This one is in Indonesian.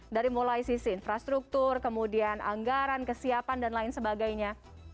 dari mulai sisi infrastruktur kemudian anggaran kesiapan dan lain sebagainya